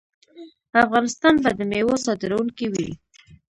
افغانستان به د میوو صادروونکی وي.